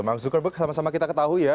mark zuckerberg sama sama kita ketahui ya